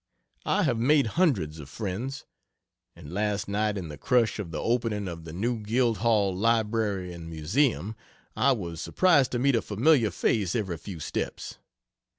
I have made hundreds of friends; and last night in the crush of the opening of the New Guild hall Library and Museum, I was surprised to meet a familiar face every few steps.